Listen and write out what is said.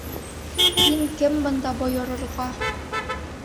Һин кем бында бойорорға?!